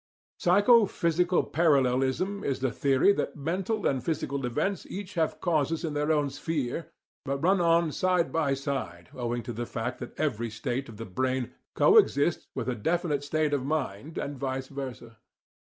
Psycho physical parallelism is the theory that mental and physical events each have causes in their own sphere, but run on side by side owing to the fact that every state of the brain coexists with a definite state of the mind, and vice versa.